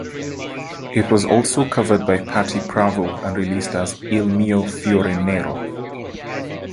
It was also covered by Patty Pravo and released as "Il Mio Fiore Nero".